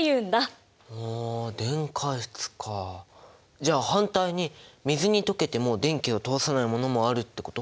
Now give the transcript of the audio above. じゃ反対に水に溶けても電気を通さないものもあるってこと？